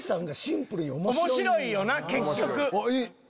面白いよな結局。